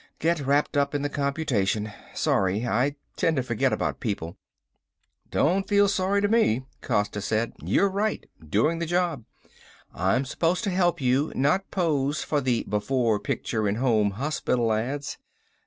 "Get wrapped up in the computation. Sorry. I tend to forget about people." "Don't feel sorry to me," Costa said. "You're right. Doing the job. I'm supposed to help you, not pose for the before picture in Home Hospital ads.